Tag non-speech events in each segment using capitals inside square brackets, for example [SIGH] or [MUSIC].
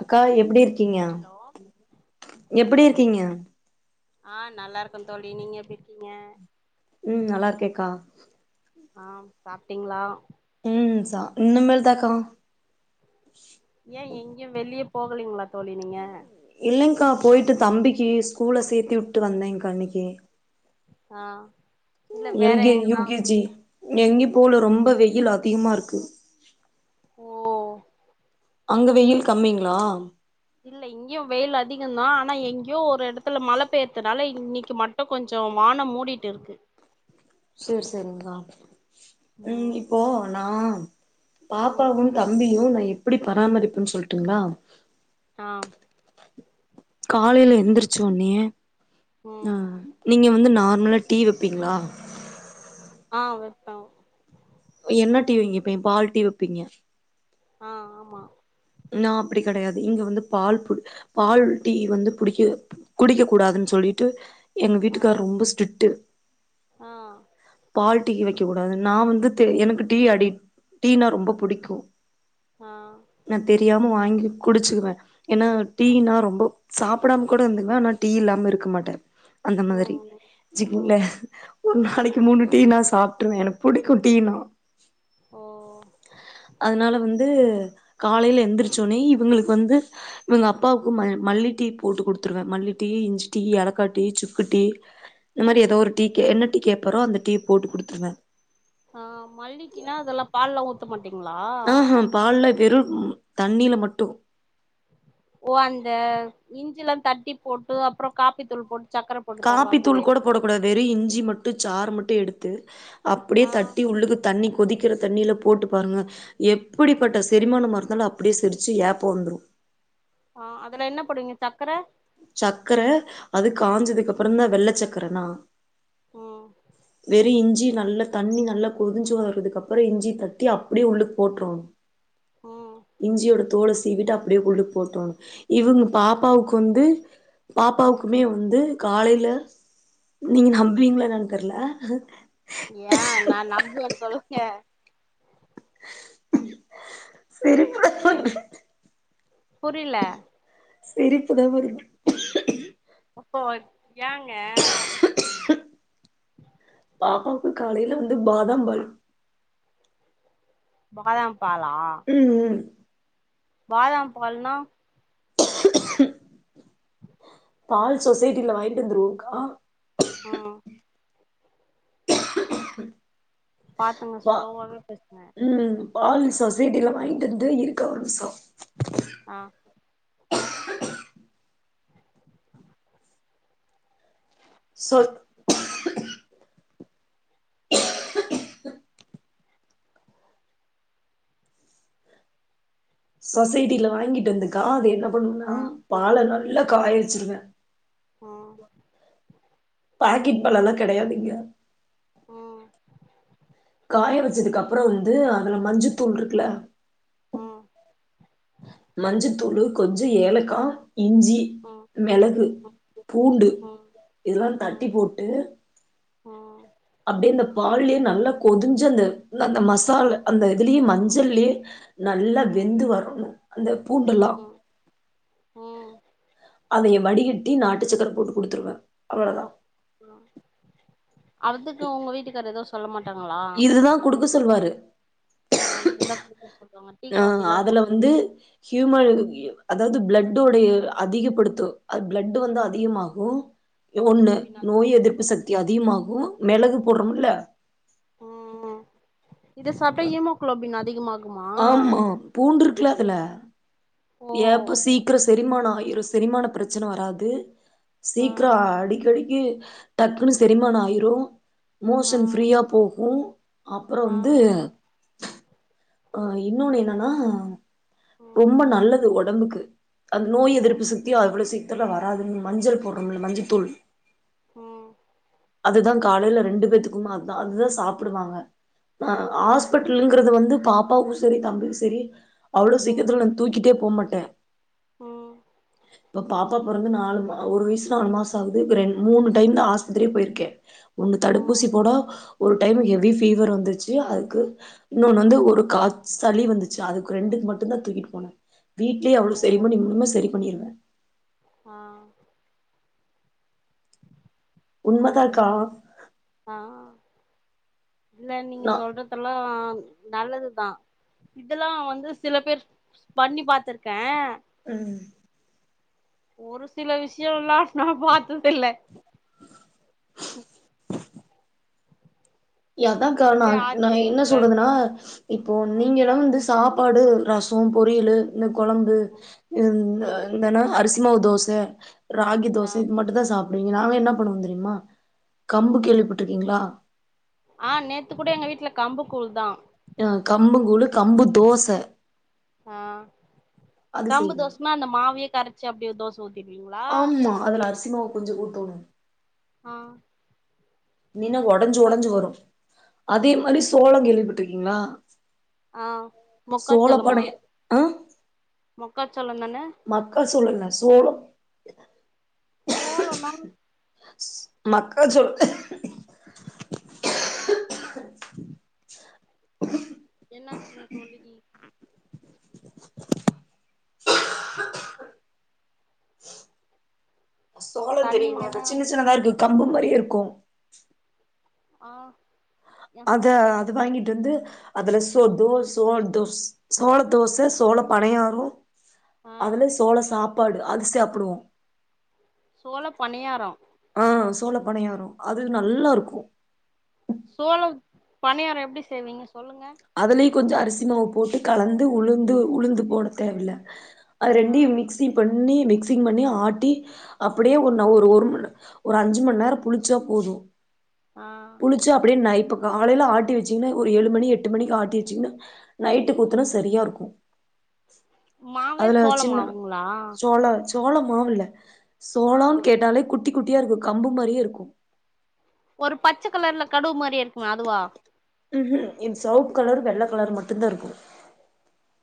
அக்கா எப்படி இருக்கீங்க ஹலோ எப்படி இருக்கீங்க ஆ நல்லா இருக்கன் தோழி நீங்க எப்படி இருக்கீங்க ம் நல்லா இருக்கேக்கா ஆ சாப்ட்டீங்களா ம் சா இனிமேல் தான் கா ஏன் எங்கயும் வெளிய போகலீங்களா தோழி நீங்க இல்லைங்க்கா போயிட்டு தம்பி கீ ஸ்கூல சேர்த்தி விட்டு வந்தேங்கா இன்னைக்கி ஆ இல்ல எல் வேற கே யூ எங்கனா கே ஜி எங்கியு போல ரொம்ப வெய்யில் அதிகமா இருக்கு ஓ அங்க வெயில் கம்மிங்ளா இல்ல இங்கயு வெயில் அதிகந்தா ஆனா எங்கயோ ஒரு எடத்துல மழ பெய்யறதுனால இன்னைக்கு மட்டு கொஞ்ச வானம் மூடிட்டு இருக்கு சரி சரிங்கா ம் இப்போ நா ம் பாப்பாவும் தம்பியும் நா எப்புடி பராமரிப்புன்னு சொல்ட்டுங்களா ஆ காலையில எந்திரிச்ச ஒன்னயே ஆ ம் நீங்க வந்து நார்மலா டீ வப்பீங்களா ஆ வெப்போ என்ன டீ விங்க இப்ப எ பால் டீ வைப்பீங்க ஆ ஆமா நா அப்பிடி கெடையாது இங்க வந்து பால் பு பால் டீ வந்து புடிக்க குடிக்க கூடாதுன்னு சொல்லிட்டு எங்க ஆ வீட்டுக்கார் ரொம்ப ஸ்ட்ரிக்ட் ஆ பால் டீ வெக்கக்கூடாது நா வந்து எனக்கு டீ அடிட் டீனா ரொம்ப புடிக்கு ஆ ஆ நா தெரியாம வாங்கி குடிச்சுக்குவே ஏன்னா டீனா ரொம்ப சாப்படாம கூட இருந்துக்குவ ஆனா டீ இல்லாம இருக்க மாட்டே அந்த மாதிரி ம் ஜிங்ளே ம் ஒரு நாளைக்கு ம் மூனு டீ நா சாப் எனக்கு புடிக்கு டீ னா ஓ அதனால வந் து காலையில எந்திரிச்ச ஒடனயு இவங்களுக்கு வந்து இவுங்க அப்பாவுக்கு ம மல்லி டீ போட்டு குடுத்துருவே மல்லி டீ இஞ்சி டீ ஏலக்கா டீ சுக்கு டீ இந்த மாரி ஏதோ ஒரு டீ என்ன டீ கே அப்புற அந்த டீ போட்டு குடுத்துருவே ஆ மல்லி டீனா அதெல்லா பால்லா ஊ ஆ ஹ பால்ல வெறு தண்ணீல மட்டு ஓ அந்த இஞ்சி எல்லா தட்டி போட்டு அப்புற காப்பி தூள் போட் காப்பி தூள் கோட போடக்கூடாது வெறு இஞ்சி மட்டு சாறு மட்டு எடுத் த்து அப்படியே ஆ தட்டி உள்ளுக்கு தண்ணி கொதிக்கிற தண்ணில போட்டு பாருங்க எப்படிப்பட்ட செரிமானமா இருந்தாலு அப்படியே செரிச்சு ஏப்ப வந்துரு ஆ அதுல என்ன போடுவீங்க சக்கர சக்கர அது காஞ்சதுக்கு அப்பறந்தா வெள்ள சக்கரனா ம் வெறு இஞ் ஞ்சி நல்லா தண்ணி நல்லா கொதிஞ்சு வறதுக்கப்பறொ இஞ்சி தட்டி அப்டியே உள்ளுக் போற்றோனு ம் இஞ்சியோட தோல சீவிட்டு அப்படியே கூள்ளுக் போட்றோணு இவங்க பாப்பாவுக்கு வந்து ம் பாப்பாவுக்குமே வந்து காலையில நீங்க நம்புவீங்களா என்னான் தெர்ல ஏ நா நம்புவ சொல்லுங்க சிரிப்பா [UNINTELLIGIBLE] புரில சிரிப்புதா வருது. போல் ஏங்க? பாப்பாவுக்கு காலையில வந்து பாதாம்பால் பாதாம் பாலா? ம் ம் பாதாம் பால்னா? பால் சொசைட்டில வாங்கிட்டு வந்துருவோக்கா. ம் [UNINTELLIGIBLE] பாத்துங்க பா ஸ்லோவாவே பேசுங்க. ம் பால் சொசைட்டியில் வாங்கிட்டு வந்து இருக்கா ஒரு நிம்ஷொ ஆ சொ [UNINTELLIGIBLE] சொசைட்டில வாங்கிட்டு வந்துக்கா அது என்ன பண்ணுனா ஆ பால நல்லா காயவச்சுருவே ஆ பாக்கெட் பால்லலா கெடையாது இங்க ம் காய வச்சதுக்கப்பறொ வந்து அதுல மஞ்ச தூள் இருக்குல உம் ம் மஞ்சதூளு கொஞ்சொ ஏலக்கா இஞ்சி ம் மெளகு பூண்டு ம் இதெல்லா ம் தட்டி போட்டு ம் அப்டியே இந்த பால்லயே நல்லா கொதிஞ்சு அந்த உள்ள அந்த மசால் அந்த இதுலயே மஞ்சள்ளயே நல்லா ம் ம் வெந்து வரனு அந்த பூண்டலா ம் அந்த எம் வடிகட்டி நாட்டு சக்கர போட்டு குடுத்துருவே அவ்வளோதா ஆ அதுக்கு உங்க வீட்டுக்காரரூ ஏதோ சொல்லமாட் டாங்களா இதுதா குடுக்க சொல்வாரு ஓ இது தா ஆ அதுல வந்து ஹியூமல் அதாவது பிளட்டோடைய அதிகப்படுத்து அது பிளட் வந்து அதிகமாகு ஒண்ணு ஹீமோகுளோபின் நோய் எதிர்ப்பு அதிகமாகு சக்தி அதிகமாகு மிளகு போடுறோம்ல்ல ம் அதிகமா ஆமா பூண்டு இருக்குல அதுல ஓ ஏப்போ சீக்கிர செரிமான ஆயிரும் செரிமான பிரச்சன வராது ஆ சீக்கிர அடிக்கடிக்கு டக்குன்னு செரிமான ஆயிரு ஆ மோசன் ஃப்ரீயா போகு அப்புறம் ஆ வந்து அ இன்னொன்னு என்னன்னா ம் ரொம்ப நல்லது ஒடம்புக்கு அந்த நோய் ம் எதிர்ப்பு சக்தி அவளோ சீக் இத்துல வராதுன்னு மஞ்சள் போடுறோம்ல மஞ்ச தூள் உம் அதுதா காலையில ரெண்டு பேத்துக்குமே அததா அதுதா சாப்பிடுவாங்க ஓ ஹாஸ்பிட்டலுங்ரது வந்து பா பாபாவு செரி தம்பியு செரி அவ்வளோ சிக்கிரத்துல நா தூக்கிட்ட போமாட்ட ட உம் இப்ப பாப்பா பொறந்து நாலு மா ஒரு வயசு நாலு மாச ஆகுது ரெண்டு மூணு டைம் தா ஆஸ்பத்திரியே போயிருக் கே ஒண்ணு ம் தடுப்பூசி போட ஒரு டைம் ஹெவி ஃபீவர் வந்துச்சு அதுக்கு இன்னொன்னு வந்து ஒரு கா சளி வந்துச்சு அதுக்கு ரெண்டுக்கு மட்டுதா தூக்கிட்டு போனே வீட்லே அவலோ ஓ சரி பண்ணி இன்னு சரி பண்ணிடுவ ஆ சரி ச உண்மதாக்கா ஆ இல்ல நீங்க நா சொல்றதெல்லா நல்லதுதா இதெல்லா வந்து சில பேர் பண்ணி பாத்ருக்கே ம் ஒரு சில விஷ்யோலா நா பாத்ததே இல்ல யதா காரணோ எனக்கே நா ஆச்சரியத்த என்ன தருது சொல்றதுன்னா இப்போ ம் நீங்கலா வந்து சாப் பாடு ரசோ பொரியலு இந்த கொழம்பு ம் இந்த ம் இருந்தன அரிசி இன்னா தோச ராகி ஆ தோச இது மட்டு தா சாப் அப்டிங்ளா நாங்க என்னா பண்ணுவோ தெரிமா கம்பு ம் கேள்விப்பட்ருக்கீங்ளா ஆ நேத்து குட எங்க வீட்ல கம்பு கூழ் தா ஆ கம்பகூழு கம்பு தோச ஆ அது கம்பு செய்வே தோஸ்னா அந்த மாவயே கரச்சி அப் ஏ தோஸ் தோதிவிங்ளா அரிசிமாவ் கொஞ்ஜ ஊத்தோனு ஆ நினல் ஒடஞ்சு ஒடஞ்சு வரு அதே மாரி சோளோ கேள்விபட்ருக்கி ங்ளா ஆ சோளப்படயே ஆ மொக்காச்சோளம் தானே மக்க சோளோங்க சோளம் சோளொனா மக்கா சோளோ [UNINTELLIGIBLE] என்னாச்சிங்க தோழிகி சோளோ தண்ணி தெரியுமா வேணா சின்ன சின்தா இருக்கு கம்பு மாரியே இருக்கு ஆ ஆஹா அத இல்ல அது எனக்கு வாங்கிட்டு தெரியாது வந்து அதுல தோ தோசதா தொஸ் சோர தோச சோள பனையாரு ஆ அதுல சோள சாப்பாடு அது சாப்டுவோ சோள பணியாரோ ஆஹ் சோள பனியாரோ அது நல்லாருக்கு சோளம் பணியாரோ எப்டி செய்வீங்க சொல்லுங்க அதுலயு கொஞ்சோ அரிசி மாவு போட்டு கலந்து உளுந்து உளுந்து போட தேவல அது ஆ ரெண்டயு மிக்ஸி பண் பண்ணி மிக்சிங் பண்ணி ஆட்டி அப்படியே ஒன் ஒரு ஒரு ம ஒரு அஞ்சு மண் நேரம் புளிச்சா போதும் ஆ புளிச்சு அப்படியே நை இப்ப காலைல ஆட்டி வெச்சிங்னா ஒரு ஏழு மணி எட் எட்டு மணிக்கு ஆட்டி வெச்சீங்னா நைட்டு குத்னா சரியா இருக்கும் மாவு சோள மாவுங்ளா சோள சோள மாவு இல்ல சோலொன்னு கேட்டாலே குட் குட்டி குட்டியா இருக்கும் கம்பு மாரியே இருக்கும் ஒரு பச்ச கலர்ல கடுவு மாதிரியே இருக்குமா அதுவா ம்ஹும் இத் சவுப் கலர் வெள்ள கலர் மட்டும் தான் இருக்கும்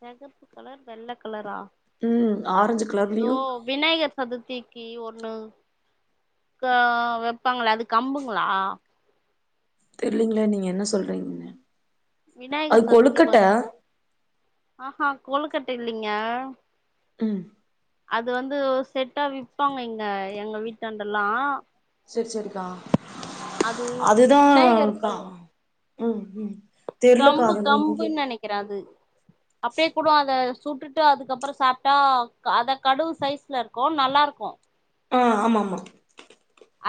செகப்பு கலர் வெள்ள கலரா ம் ஆரஞ்சு தோ கலர்லயு விநாயகர் சதுர்த்தி கி ஒண்ணு க வெப்பாங்ள அது கம்புங்ளா தெர்லீங்ளே நீங்க என்ன சொல்றீங்னு விநாயகர் சதுர்த்திக்கு வந் அஹ்ஹ கோலுக்கட்ட இல்லீங்க உம் அது வந்து செட்டா விப்பாங்க இங்க எங்க வீட்டாண்டல்லாம் செரி செரிக்கா அதுதான் விநாயகருக்கு ம் உம் கம்பு கம்புன்னு நெனைக்றேன் அது அப்டியே கூடும் அத சூட்டுட் அதுக்கப்பறம் சாப்டா அத கடுவு சைஸ்ல இருக்கும் நல்லா இருக்கும் ஆ ஆமா ஆமா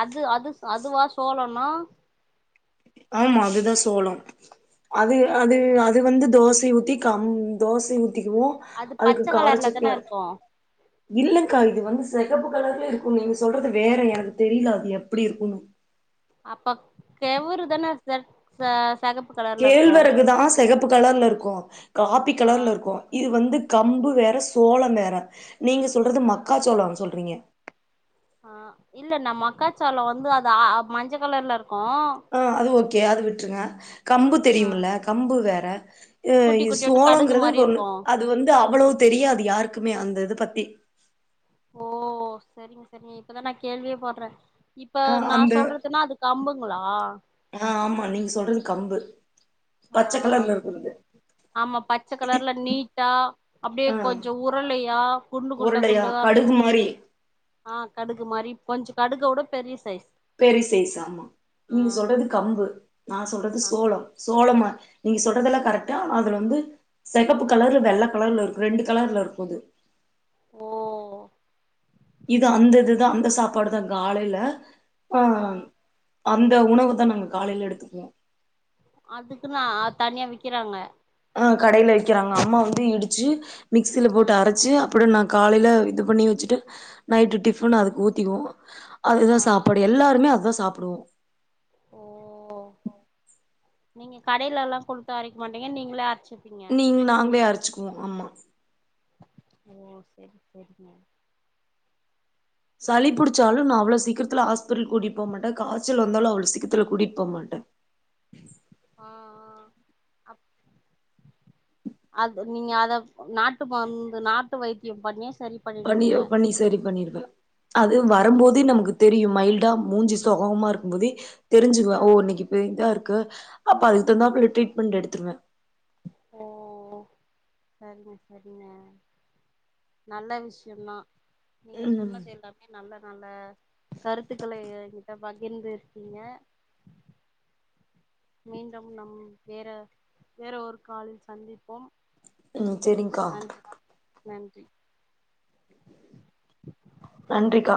அது அது அதுவா சோழொனா ஆமா அதுதான் சோளொம் அது அது அது வந்து தோசய ஊத்தி கம் தோசய ஊ இதுவும் அது அதுக்கு பச்ச கலர்ல காரச்சட்டினி தான அரச் இருக்கு இல்லங்கா இது வந்து செகப்பு கலர்ல இருக்கும் நீங்க சொல்றது வேற எனக்கு தெரில அது எப்டி இருக்குன் அப்ப கெவுரு தானே செ ச செகப்பு கலர்ல இருக்கு கேழ்வெரகுதான் செகப்பு கலர்ல இருக்கும் காபி ஆ கலர்ல இருக்கும் இது வந்து கம்பு வேற சோளம் வேற நீங்க சொல்றது மக்காச்சோள சொல்றீங்க ஆ இல்ல ந மக்காச்சோள வந்து அது ஆ மஞ்ச கலர்ல இருக் கோ கே அது விட்ருங்க கம்பு தெரியும்ல்ல கம்பு வேற ம் குட்டி குட்டியோண்டு கடுகு சோளங்கிறது மாரி ஒண்ணு இருக்கு அது வந்து அவ்வளவு தெரியாது யாருக்குமே அந்திது பத் ஓ சரிங்க சரிங்க இப்பதா நா கேள்வியே படுறே இப்ப ஆ நா அந்த சொல்றதுன்னா அது கம்பு ங்ளா ஆ ஆமா நீங்க சொல்றது கம்பு ஆ பச்ச கலர்ல இருக்குறது ஆமா பச்ச கலர்ல நீட்டா அப்படியே ஆ கொஞ்ச உரளையா குண்டு குண்ட உருண்டையா குண்டதா இருக்கு கடுகு மாரி ஆ கடுகு மாரி கொஞ்ச கடுக ஒட பெரிய சைஸ் பெரிய சைஸ் ஆமா ஆ நீங்க சொல்றது கம்பு நா சொல்றது ஆ சோளம் சோளமா நீங்க சொல்றதெல்லா கரெக்ட் ஆனா அதுல வந்து செகப்பு கலர் வெள்ள கலர்ல இருக்கு ரெண்டு கலர்ல இருக்கு அது ஓ இது அந்த இதுதா அந்த சாப்பாடுதா காலைல ப்ப ஆ அந்த உணவு தா நாங்க காலையில எடுத்துக்குவோ அதுக்கன்னு அ தனியா விக்கறாங்க ஆ கடையில விக்கறாங்க அம்மா வந்து இடிச்சு மிக்சில ஆ போட்டு அரைச்சு அப்புற ந காலைல இது பண்ணி வச்சுட்டு நைட்டு டிஃபன் அதுக்கு ஊத்திக்குவோ அதுதா ஆ சாப்பாடு எல்லாருமே அதா சாப்புடுவோ ஓ நீங்க கடையில எல்லா குடுத்து அரைக்க மாட்டீங்க நீங்களே அரச்சு நீங்க நாங்ளே அரச்சுக்குவோ ஓ ஆமா ஓ சரி சரிங்க சளி புடிச்சாலு நா அவ்வள சீக்கிரத்துல ஹாஸ்பிட்டல் கூட்டிட்டு போகமாட்டே காய்ச்சல் வந்தாலு அவ்வளவு சீக்கிரத்துல கூட்டிட்டு போ மாட்டே ஆ ஆ அப் அது நீங்க அத நாட்டு மருந்து நாட்டு வைத்தியம் பண்ணி பண்ணி பண்ணி சரி பண்ணிருவே அது ஓ வரும்போதே நமக்கு தெரியு மைல்டா மூஞ்சி சொகமா இருக்கும் போதே தெரிஞ்சுக்குவே ஆ ஓ இன்னைக்குப்ப இதா இருக்கு அப்ப அதுக்கு ஆ தகுந்தாப்ல ட்ரீட்மெண்ட் எடுத்துருவே ஓ சரிங்க சரிங்க நல்ல விஷயம்தா நீங்க ம் சொன்னது எல்லாமே நல்ல நல்ல கருத்துக்களை எனங்கிட்ட பகிர்ந்து இருக்கீங்க மீண்டும் நம் வேற வேற ஒரு காலில் சந்திப்போம் ம் சேரிங்கா நன்றி நன்றி நன்றிக்கா